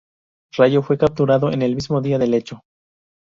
Rayo fue capturado en el mismo día del hecho.